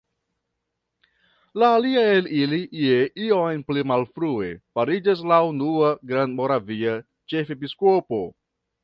La alia el ili je iom pli malfrue fariĝas la unua grandmoravia ĉefepiskopo.